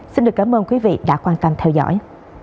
xin được cảm ơn quý vị đã quan tâm theo dõi